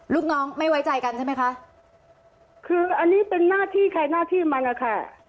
ลูกน้องไม่ไว้ใจกันใช่ไหมคะคืออันนี้เป็นหน้าที่ใครหน้าที่มันอะค่ะ